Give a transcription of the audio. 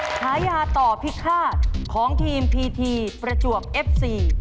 ฉายาต่อพิฆาตของทีมพีทีประจวบเอฟซี